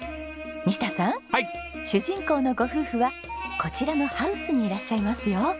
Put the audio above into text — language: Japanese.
西田さん主人公のご夫婦はこちらのハウスにいらっしゃいますよ。